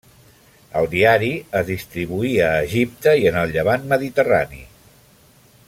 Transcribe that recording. El diari es distribuïa a Egipte i en el Llevant mediterrani.